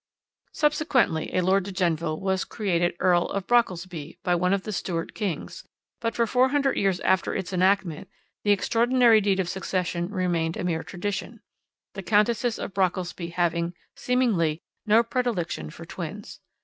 "Subsequently a Lord de Genneville was created Earl of Brockelsby by one of the Stuart kings, but for four hundred years after its enactment the extraordinary deed of succession remained a mere tradition, the Countesses of Brockelsby having, seemingly, no predilection for twins.